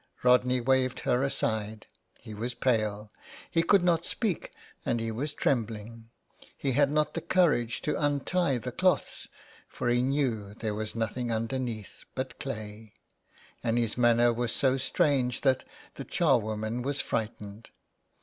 Rodney waved her aside. He was pale ; he could not speak, and he was trembling. He had not the courage to untie the cloths, for he knew there was nothing underneath but clay, and his manner was so strange that the charwoman was frightened.